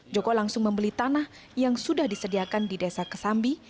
joko langsung membeli tanah yang sudah disediakan di desa kesambi